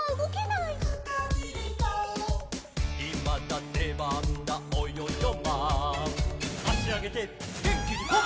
「いまだでばんだおよよマン」「あしあげてげんきにポン！」